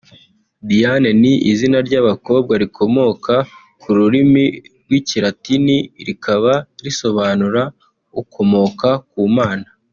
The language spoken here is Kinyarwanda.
Diane ni izina ry’abakobwa rikomoka ku rurimi rw’Ikilatini rikaba risobanura “ukomoka ku Mana”